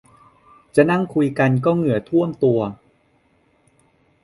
แค่นั่งคุยกันก็เหงื่อท่วมตัว